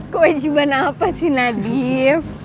kewajiban apa sih nadif